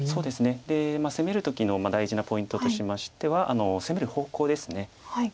で攻める時の大事なポイントとしましては攻める方向です。